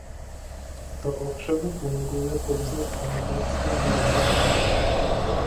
To ovšem funguje pouze v anglickém jazyce.